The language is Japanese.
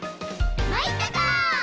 まいったか」